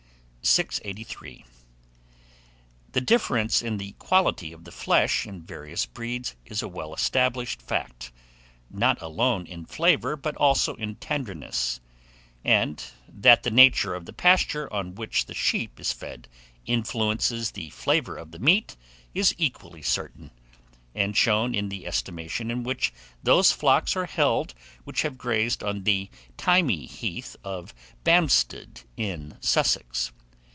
683. THE DIFFERENCE IN THE QUALITY OF THE FLESH in various breeds is a well established fact, not alone in flavour, but also in tenderness; and that the nature of the pasture on which the sheep is fed influences the flavour of the meat, is equally certain, and shown in the estimation in which those flocks are held which have grazed on the thymy heath of Bamstead in Sussex.